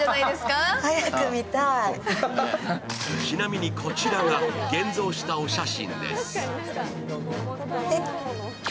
ちなみにこちらは現像したお写真です。